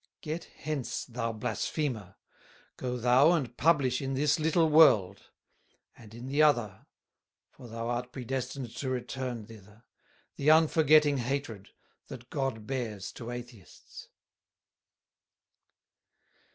Get hence, thou Blasphemer, go thou and publish in this little World, and in the other (for thou art predestined to return thither), the unforgetting Hatred that God bears to Atheists."